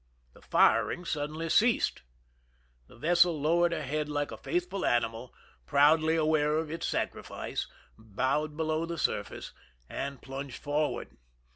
The firing suddenly ceased. The vessel lowered her head like a faithful animal, proudly aware of its sacrifice, bowed below the surface, and plunged forward.